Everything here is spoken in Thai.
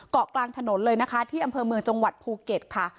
เกาะกลางถนนเลยนะคะที่อำเภอเมืองจังหวัดภูเก็ตค่ะ